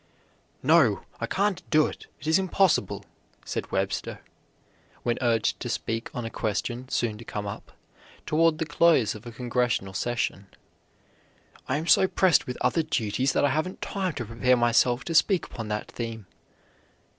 "No, I can't do it, it is impossible," said Webster, when urged to speak on a question soon to come up, toward the close of a Congressional session. "I am so pressed with other duties that I haven't time to prepare myself to speak upon that theme."